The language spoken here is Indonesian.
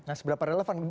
nah seberapa relevan